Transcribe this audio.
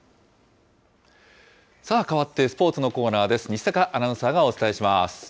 さあ、変わってスポーツのコーナーです。